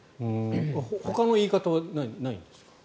ほかの言い方はないんですか？